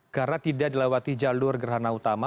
karena tidak dilewati jalur gerhana utama